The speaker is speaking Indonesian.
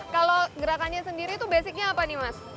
kalau gerakannya sendiri itu basicnya apa nih mas